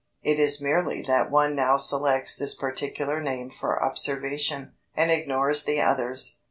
It is merely that one now selects this particular name for observation, and ignores the others.